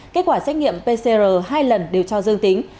kết quả xét nghiệm pcr hai lần đều cho dương tính